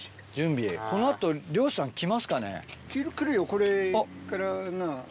これからな。